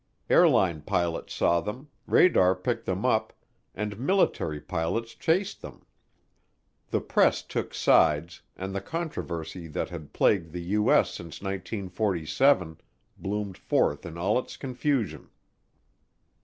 Airline pilots saw them, radar picked them up, and military pilots chased them. The press took sides, and the controversy that had plagued the U.S. since 1947 bloomed forth in all its confusion.